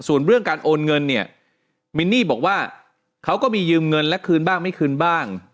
ส่วนเรื่องการโอนเงินเนี่ยมินนี่บอกว่าเขาก็มียืมเงินและคืนบ้างไม่คืนบ้าง